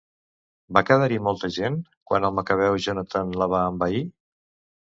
Va quedar-hi molta gent quan el macabeu Jonatan la va envair?